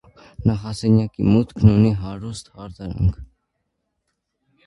Նախասենյակի մուտքն ունի հարուստ հարդարանք։